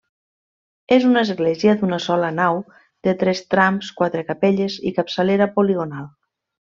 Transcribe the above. És una església d'una sola nau de tres trams, quatre capelles i capçalera poligonal.